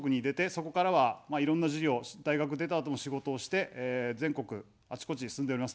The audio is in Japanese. そこからは、いろんな事業、大学出たあとも仕事をして全国あちこちに住んでおります。